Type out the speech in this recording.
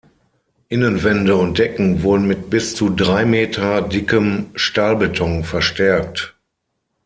Innenwände und Decken wurden mit bis zu drei Meter dickem Stahlbeton verstärkt.